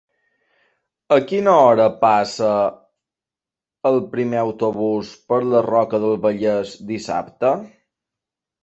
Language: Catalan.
A quina hora passa el primer autobús per la Roca del Vallès dissabte?